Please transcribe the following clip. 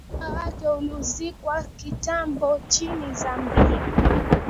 moyo wake ulizikwa Chitambo nchini Zambia